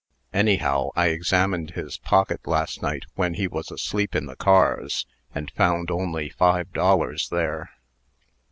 "Anyhow, I examined his pocket, last night, when he was asleep in the cars, and found only five dollars there."